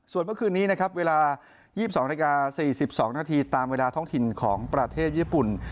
ส่วนเมื่อคืนนี้นะครับเวลา๒๒นาฬิกา๔๒นาทีตามเวลาท้องถิ่นของประเทศญี่ปุ่น